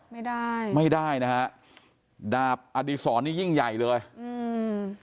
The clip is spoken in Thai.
ไม่ได้ไม่ได้นะฮะดาบอดีศรนี่ยิ่งใหญ่เลยอืม